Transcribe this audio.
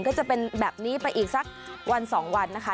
ก็จะเป็นแบบนี้ไปอีกสักวันสองวันนะคะ